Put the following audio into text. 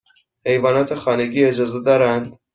حیوانات خانگی اجازه دارند؟